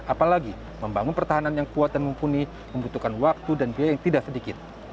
apalagi membangun pertahanan yang kuat dan mumpuni membutuhkan waktu dan biaya yang tidak sedikit